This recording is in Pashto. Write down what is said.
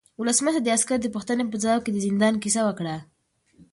ولسمشر د عسکر د پوښتنې په ځواب کې د زندان کیسه وکړه.